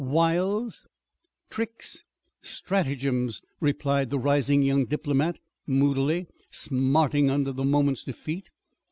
"Wiles, tricks, stratagems," replied the rising young diplomat moodily, smarting under the moment's defeat.